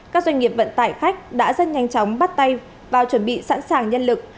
các doanh nghiệp vận tải khách đã rất nhanh chóng bắt tay vào chuẩn bị sẵn sàng nhân lực